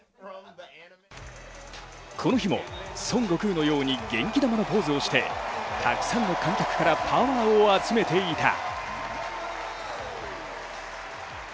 この日も、孫悟空のように元気玉のポーズをしてたくさんの観客からパワーを集めていた。